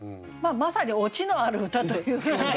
まさにオチのある歌という。